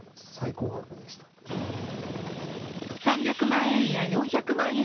３００万円や４００万円